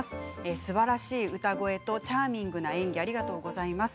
すばらしい歌声とチャーミングな演技ありがとうございます。